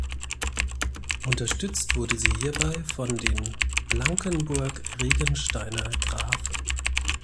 Unterstützt wurde sie hierbei von den Blankenburg-Regensteiner Grafen.